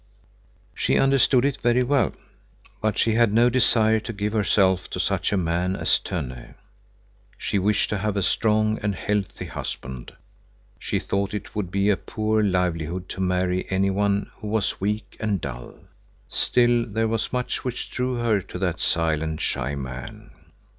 She understood it very well, but she had no desire to give herself to such a man as Tönne. She wished to have a strong and healthy husband. She thought it would be a poor livelihood to marry any one who was weak and dull. Still, there was much which drew her to that silent, shy man.